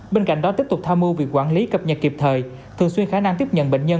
bên cạnh đó tiếp tục tham mưu việc quản lý cập nhật kịp thời thường xuyên khả năng tiếp nhận bệnh nhân